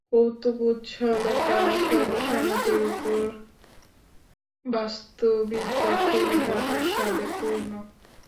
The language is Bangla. কৌতুক উচ্ছলতা সবই সমাজের উপর উপর, বাস্তবিকপক্ষে ইহা বিষাদে পূর্ণ।